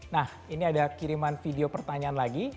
nah ini ada kiriman video pertanyaan lagi